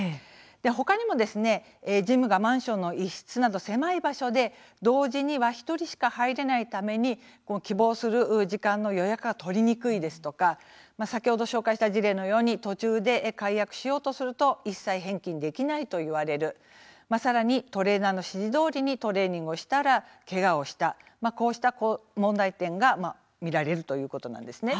他にもジムがマンションの一室など狭い場所で同時には１人しか入れないために希望する時間の予約が取りにくいですとか先ほど紹介した事例のように途中で解約しようとすると一切返金できないと言われるさらにトレーナーの指示どおりにトレーニングをしたらけがをしたこうした問題点が見られるということなんですね。